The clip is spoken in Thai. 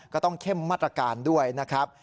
ก็ต้องเข้มมาตรการด้วยนะครับ